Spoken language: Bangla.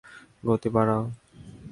গতি বাড়াও।